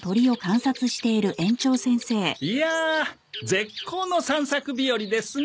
絶好の散策日和ですね。